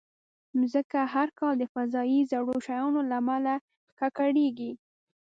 مځکه هر کال د فضایي زړو شیانو له امله ککړېږي.